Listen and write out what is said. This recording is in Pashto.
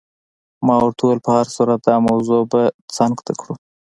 ما ورته وویل: په هر صورت دا موضوع به څنګ ته کړو.